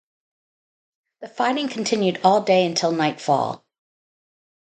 The fighting continued all day until nightfall.